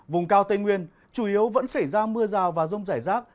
vùng cao tây nguyên chủ yếu vẫn xảy ra mưa rào và rông rải rác